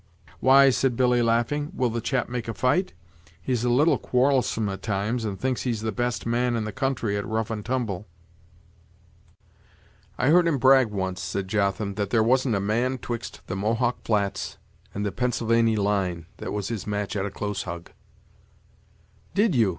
"Why," said Billy, laughing, "will the chap make fight?" "He's a little quarrelsome at times, and thinks he's the best man in the country at rough and tumble." "I heard him brag once," said Jotham, "that there wasn't a man 'twixt the Mohawk Flats and the Pennsylvany line that was his match at a close hug." "Did you?"